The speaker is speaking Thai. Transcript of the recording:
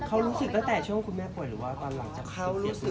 เขารู้สึกตั้งแต่ช่วงคุณแม่ผ่วยหรือค่อนหลังจากถูกเปลี่ยนคุณแม่